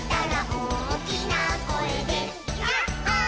「おおきなこえでヤッホー」